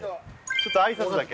ちょっと挨拶だけ。